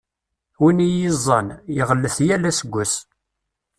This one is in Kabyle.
Win i iyi-iẓẓan, iɣellet yal aseggas.